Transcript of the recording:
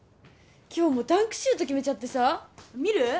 今日もダンクシュート決めちゃってさ見る？